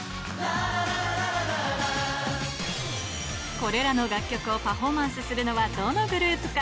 これらの楽曲をパフォーマンスするのはどのグループか。